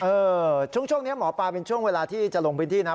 ช่วงนี้หมอปลาเป็นช่วงเวลาที่จะลงพื้นที่นะ